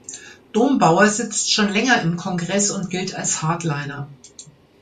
Dombauer sitzt schon länger im Kongress und gilt als Hardliner.